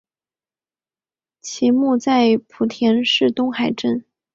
其墓在莆田市东海镇。